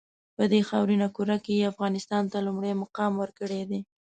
په دې خاورینه کُره کې یې افغانستان ته لومړی مقام ورکړی دی.